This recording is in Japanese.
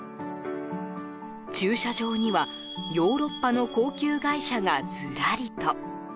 駐車場にはヨーロッパの高級外車がずらりと。